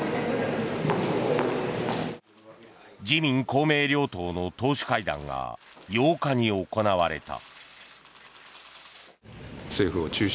自民・公明両党の党首会談が８日に行われた。